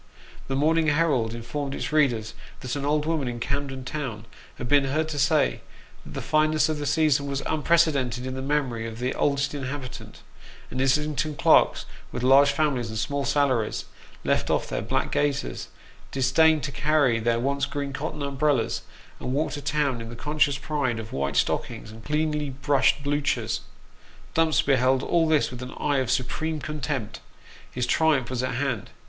The Morning Herald informed its readers that an old woman in Camden Town had been heard to say that the fineness of the season was " unprecedented in the memory of the oldest inhabitant ;" and Islington clerks, with large families and small salaries, left off their black gaiters, disdained to carry their once green cotton umbrellas, and walked to town in the conscious pride of white stockings and cleanly brushed Bluchers. Dumps beheld all this with an eye of supreme contempt his triumph was at hand.